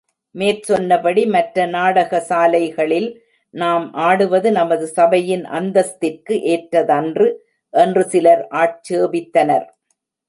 மேற் சொன்னபடி மற்ற நாடக சாலைகளில் நாம் ஆடுவது நமது சபையின் அந்தஸ்திற்கு ஏற்றதன்று என்று சிலர் ஆட்சேபித்தனர்.